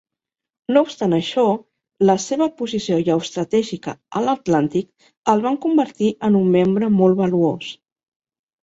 No obstant això, la seva posició geoestratègica a l"Atlàntic el van convertir en un membre molt valuós.